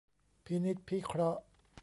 พินิจพิเคราะห์